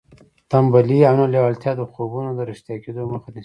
تنبلي او نه لېوالتیا د خوبونو د رښتیا کېدو مخه نیسي